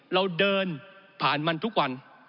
เราเดินผ่านมันทุกวัน